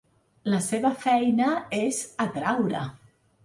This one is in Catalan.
La seva feina és atraure.